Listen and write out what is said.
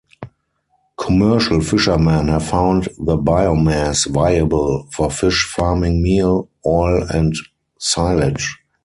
Commercial fisherman have found the biomass viable for fish farming meal, oil and silage.